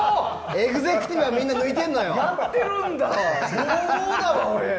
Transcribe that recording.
エグゼクティブはみんなやってるんだ！